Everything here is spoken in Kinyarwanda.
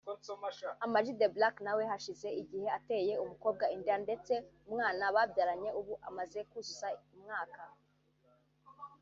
Ama-G The Black nawe hashize igihe ateye umukobwa inda ndetse umwana babyaranye ubu yamaze kuzuza umwaka